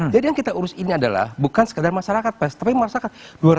jadi yang kita urusin adalah bukan sekadar masyarakat pers tapi masyarakat